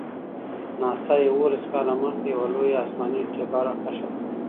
ناسا یوولس کاله مخکې یوه لویه آسماني ډبره کشف کړه.